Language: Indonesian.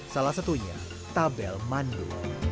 salah satunya tabel mandu